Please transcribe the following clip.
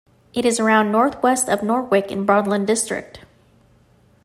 It is around north-west of Norwich in Broadland district.